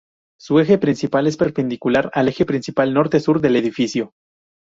Su eje principal es perpendicular al eje principal norte-sur del edificio.